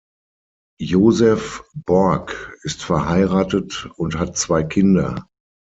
Joseph Borġ ist verheiratet und hat zwei Kinder.